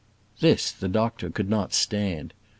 This, the doctor could not stand.